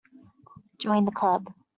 Join the Club.